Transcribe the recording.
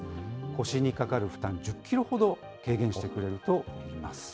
腰に掛かる負担、１０キロほど軽減してくれるといいます。